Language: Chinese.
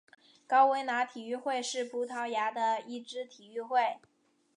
高维拿体育会是葡萄牙的一支体育会。